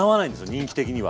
人気的には。